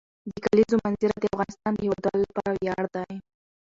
د کلیزو منظره د افغانستان د هیوادوالو لپاره ویاړ دی.